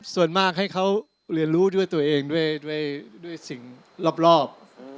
ส่วนมากให้เขาเรียนรู้ด้วยตัวเองด้วยสิ่งรอบ